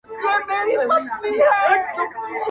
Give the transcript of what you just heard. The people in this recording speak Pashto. ګل دي کم لاچي دي کم لونګ دي کم-